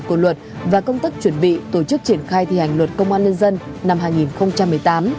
của luật và công tác chuẩn bị tổ chức triển khai thi hành luật công an nhân dân năm hai nghìn một mươi tám